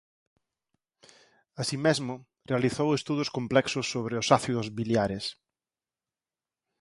Así mesmo realizou estudos complexos sobre os ácidos biliares.